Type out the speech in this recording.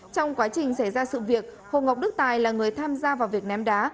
trong quá trình xảy ra sự việc hồ ngọc đức tài là người tham gia vào việc ném đá